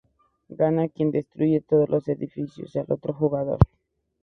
Gana quien destruye todos los edificios al otro jugador.